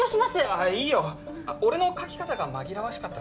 あっいいよ俺の書き方が紛らわしかった